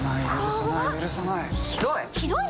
ひどい！